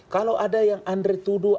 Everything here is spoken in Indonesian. kalau ada yang andri tuduh